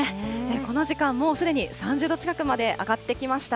この時間、もうすでに３０度近くまで上がってきました。